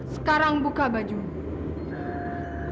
sekarang buka bajumu